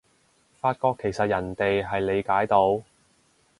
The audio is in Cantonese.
發覺其實人哋係理解到